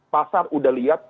pasar udah lihat